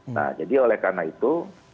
nah jadi oleh karena itu